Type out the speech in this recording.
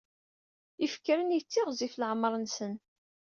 Ifekren yettiɣzif leɛmeṛ-nsen.